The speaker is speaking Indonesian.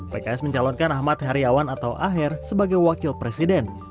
pks mencalonkan ahmad heriawan atau aher sebagai wakil presiden